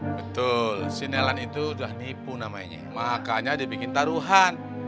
betul sinelan itu sudah nipu namanya makanya dibikin taruhan